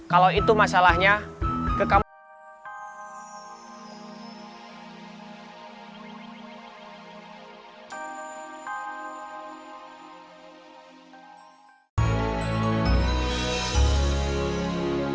kalau itu masalahnya ke kang reno